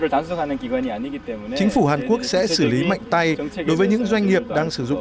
cái lao động bất hợp pháp chính phủ hàn quốc sẽ xử lý mạnh tay đối với những doanh nghiệp đang sử dụng